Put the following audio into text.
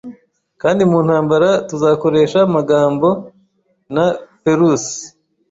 Kandi mu ntambara tuzakoresha amagambo & peruse